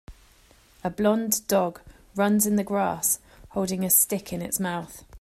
A blond dog runs in the grass holding a stick in its mouth.